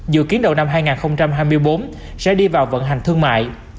dự kiến đầu năm hai nghìn hai mươi bốn sẽ đi vào vận hành thương mại